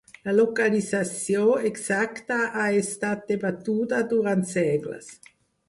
La localització exacta ha estat debatuda durant segles.